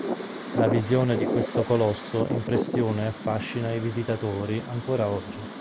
La visione di questo colosso impressiona e affascina i visitatori ancora oggi.